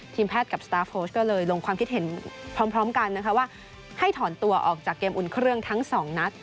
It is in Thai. แพทย์กับสตาร์ฟโฟสก็เลยลงความคิดเห็นพร้อมกันนะคะว่าให้ถอนตัวออกจากเกมอุ่นเครื่องทั้งสองนัด